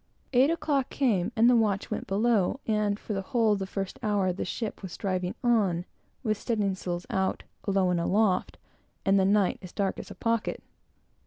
Eight o'clock came, and the watch went below, and, for the whole of the first hour, the ship was tearing on, with studding sails out, alow and aloft, and the night as dark as a pocket.